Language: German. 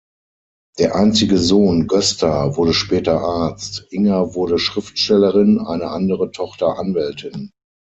Der einzige Sohn, Gösta, wurde später Arzt; Inger wurde Schriftstellerin, eine andere Tochter Anwältin.